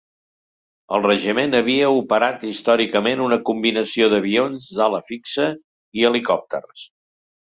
El regiment havia operat històricament una combinació d'avions d'ala fixa i helicòpters.